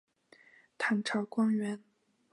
唐朝官员。